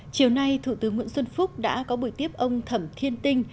chiều nay thủ tướng nguyễn xuân phúc đã có buổi tiếp ông thẩm thiên tinh